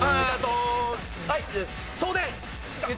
送電。